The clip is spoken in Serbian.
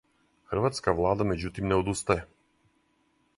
Хрватска влада међутим не одустаје.